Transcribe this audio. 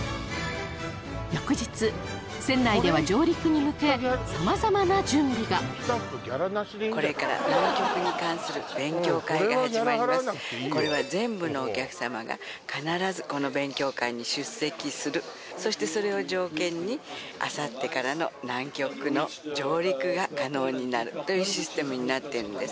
翌日船内ではこれからこれは全部のお客様が必ずこの勉強会に出席するそしてそれを条件にあさってからの南極の上陸が可能になるというシステムになってるんです